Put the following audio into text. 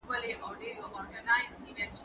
زه به سبا د کتابتون پاکوالی وکړم؟